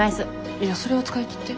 いやそれは使い切って。